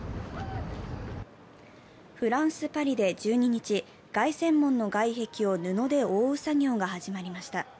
フランス・パリで１２日、凱旋門の外壁を布で覆う作業が始まりました。